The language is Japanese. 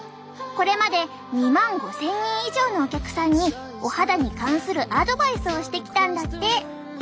これまで２万５，０００人以上のお客さんにお肌に関するアドバイスをしてきたんだって。